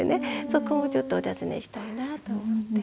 そこもちょっとお尋ねしたいなあと思って。